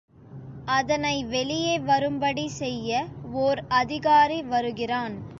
அதனை வெளியே வரும்படி செய்ய, ஓர் அதிகாரி வருகிறான்.